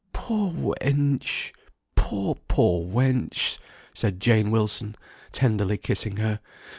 "Poor wench! poor, poor wench!" said Jane Wilson, tenderly kissing her.